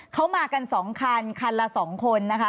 เขามากัน๒คันคันละ๒คนนะคะ